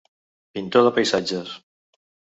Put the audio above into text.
Pintor de paisatges.